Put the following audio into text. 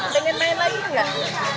pengen main lagi enggak